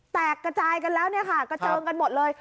แตกกระจายกันแล้วเนี่ยค่ะกระเจิงกันหมดเลย